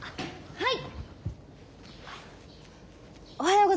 はい！